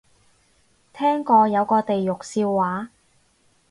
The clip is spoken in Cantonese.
聽過有個地獄笑話